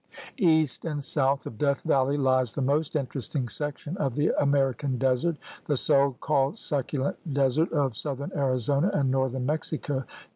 East and south of Death Valley lies the most interesting section of the American desert, the so called succulent desert of southern Arizona and northern Mexico.